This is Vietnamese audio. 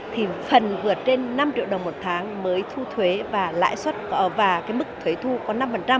thì phần vượt trên năm triệu đồng một tháng mới thu thuế và lãi suất và cái mức thuế thu có năm